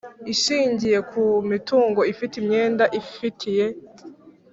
ishingiye ku mitungo ifite imyenda ifitiye